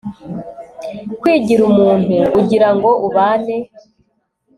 kwigira umuntu, ugira ngo ubane